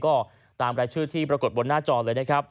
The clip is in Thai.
ก็ตามรายชื่อที่ปรากฏบนหน้าจอเลยนะครับ